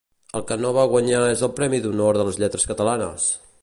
El que no va guanyar és el Premi d'Honor de les Lletres Catalanes!